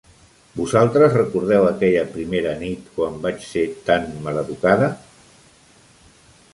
Vosaltres recordeu aquella primera nit, quan vaig ser tant maleducada?